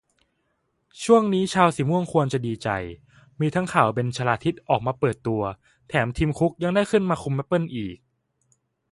ช่วงนี้ชาวสีม่วงควรจะดีใจ มีข่าวทั้งเบนชลาทิศออกมาเปิดตัว แถมทิมคุกยังได้ขึ้นมาคุมแอปเปิ้ลอีก